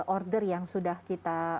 order yang sudah kita